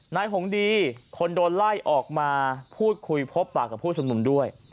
หงดีคนโดนไล่ออกมาพูดคุยพบปากกับผู้ชุมนุมด้วย